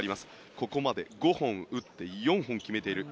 ここまで５本打って４本決めている。